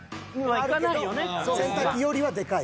洗濯機よりはでかい。